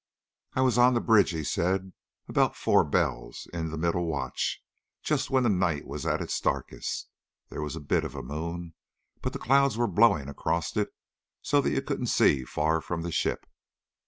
"I was on the bridge," he said, "about four bells in the middle watch, just when the night was at its darkest. There was a bit of a moon, but the clouds were blowing across it so that you couldn't see far from the ship.